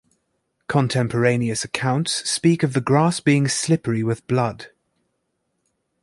Contemporaneous accounts speak of the grass being slippery with blood.